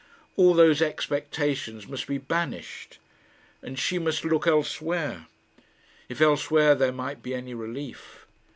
All those expectations must be banished, and she must look elsewhere if elsewhere there might be any relief.